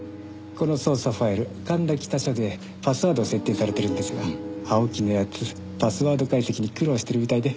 この捜査ファイル神田北署でパスワードを設定されてるんですが青木の奴パスワード解析に苦労してるみたいで。